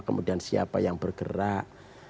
kemudian siapa yang bergerak